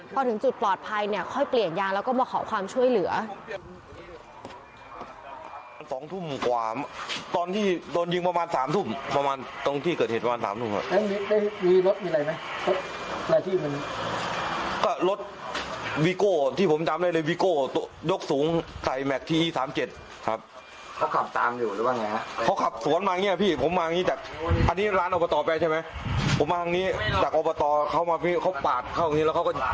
พอถึงจุดปลอดภัยเนี่ยค่อยเปลี่ยนยางแล้วก็มาขอความช่วยเหลือ